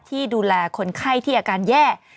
ที่ดูแลคนไข้ที่อาการแย่